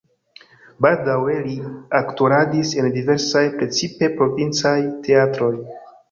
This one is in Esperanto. Baldaŭe li aktoradis en diversaj, precipe provincaj teatroj.